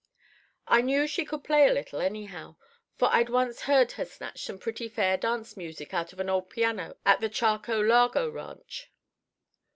I knew she could play a little anyhow, for I'd once heard her snatch some pretty fair dance music out of an old piano at the Charco Largo Ranch.